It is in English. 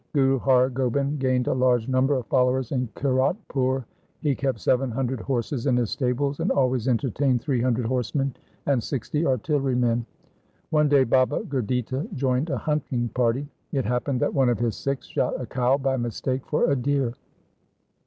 Guru Har Gobind gained a large number of followers in Kiratpur. He kept seven hundred horses in his stables, and always entertained three hundred horsemen and sixty artillery men. One day Baba Gurditta joined a hunting party. It happened that one of his Sikhs shot a cow by mistake for a deer.